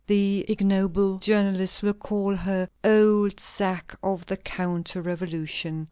The ignoble journalist will call her "old sack of the counter revolution."